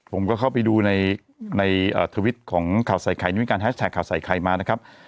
ผมก็เข้าไปดูในทวิตของข่าวใส่ไข่นี่มีการแฮชแท็กข่าวใส่ไข่มานะครับ